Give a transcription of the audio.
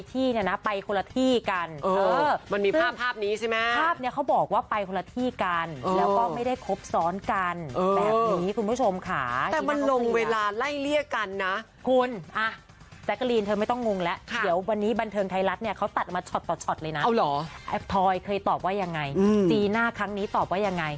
ทอยเคยตอบว่ายังไงจีน่าครั้งนี้ตอบว่ายังไง